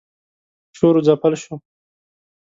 شور و ځپل شو.